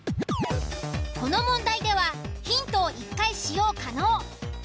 この問題ではヒントを１回使用可能。